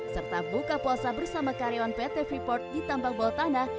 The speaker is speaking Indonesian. serta buka puasa bersama karyawan pt freeport di tambang bawah tanah